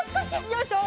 よいしょ！